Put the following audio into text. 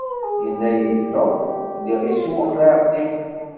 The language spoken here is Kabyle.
Yenna-yi-d Tom lliɣ isewweq leεqel-iw.